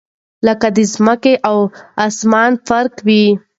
لكه دځمكي او اسمان فرق وي